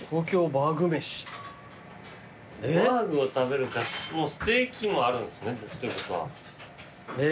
バーグを食べるかもうステーキもあるんですね。